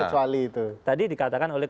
kecuali itu tadi dikatakan oleh